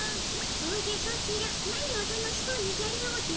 おじゃソチら何を楽しそうにじゃれおうておるのかの？